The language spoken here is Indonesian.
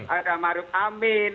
ada maruf amin